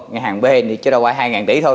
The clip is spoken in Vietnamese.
ngân hàng b anh chỉ được cho vay hai tỷ thôi